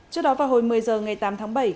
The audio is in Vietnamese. trước đó vào hồi một mươi h ngày tám tháng bảy